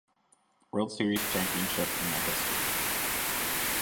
World Series championship in their history.